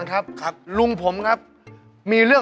ปิดประตูนอนเงียบเลย